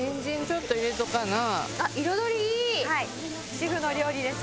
主婦の料理です